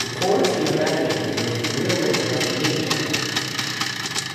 The core team of animators were from Realworld Multimedia.